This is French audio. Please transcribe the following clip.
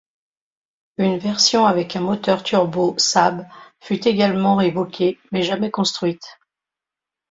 Une version avec un moteur turbo Saab fut également évoquée, mais jamais construite.